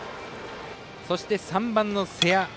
そして、３番の瀬谷。